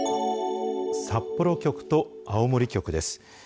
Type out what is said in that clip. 札幌局と青森局です。